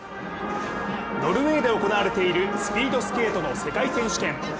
ノルウェーで行われているスピードスケートの世界選手権。